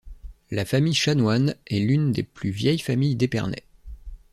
La famille Chanoine est l'une des plus vieilles familles d'Épernay.